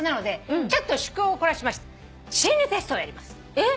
えっ！？